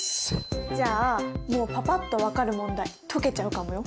じゃあもうパパっと分かる問題解けちゃうかもよ。